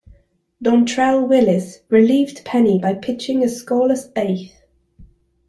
Dontrelle Willis relieved Penny by pitching a scoreless eighth.